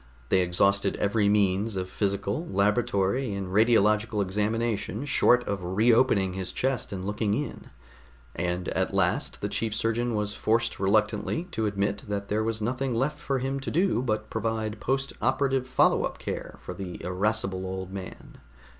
They exhausted every means of physical, laboratory and radiological examination short of re opening his chest and looking in, and at last the chief surgeon was forced reluctantly to admit that there was nothing left for him to do but provide post operative follow up care for the irascible old man.